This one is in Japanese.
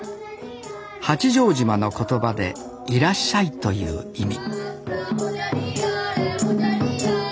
八丈島の言葉で「いらっしゃい」という意味